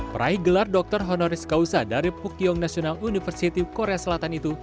peraih gelar dr honoris causa dari pukyong national university korea selatan itu